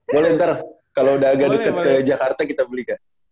boleh ntar kalo udah agak deket ke jakarta kita beli kak